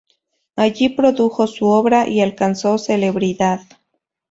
Allí produjo su obra y alcanzó celebridad.